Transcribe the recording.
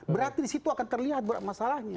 berarti disitu akan terlihat masalahnya